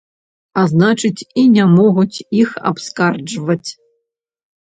А значыць і не могуць іх абскарджваць.